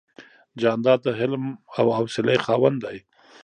جانداد د حلم او حوصلې خاوند دی.